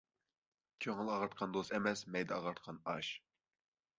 كۆڭۈل ئاغرىتقان دوست ئەمەس، مەيدە ئاغرىتقان ئاش.